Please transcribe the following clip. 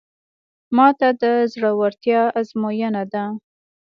ماته د زړورتیا ازموینه ده.